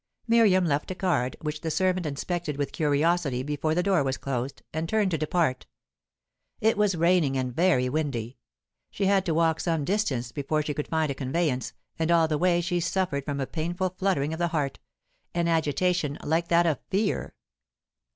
Miriam left a card which the servant inspected with curiosity before the door was closed and turned to depart. It was raining, and very windy. She had to walk some distance before she could find a conveyance, and all the way she suffered from a painful fluttering of the heart, an agitation like that of fear.